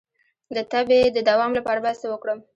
د تبې د دوام لپاره باید څه وکړم؟